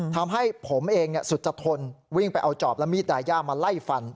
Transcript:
ทำให้ผมเองสุจทนวิ่งไปเอาจอบและมีดดายามาไล่ฟัน